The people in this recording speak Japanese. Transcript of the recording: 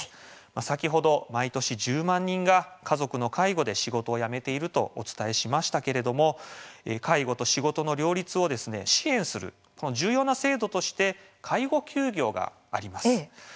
先ほど、毎年１０万人が家族の介護で仕事を辞めているとお伝えしましたが介護と仕事の両立を支援する重要な制度として介護休業があります。